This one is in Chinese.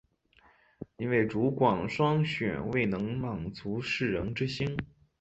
因为主管铨选未能满足士人之心。